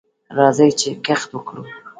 راځئ چې کښت وکړو.